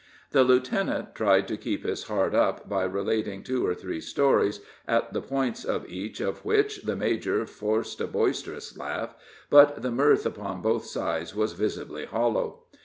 The lieutenant tried to keep his heart up by relating two or three stories, at the points of each of which the major forced a boisterous laugh, but the mirth upon both sides was visibly hollow.